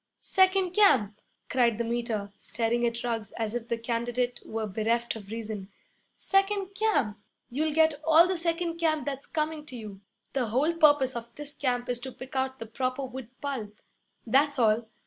'Second camp!' cried the Meter, staring at Ruggs as if the candidate were bereft of reason. 'Second camp! You'll get all the second camp that's coming to you. The whole purpose of this camp is to pick out the proper wood pulp that's all.